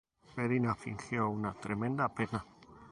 Beria fingió una tremenda pena.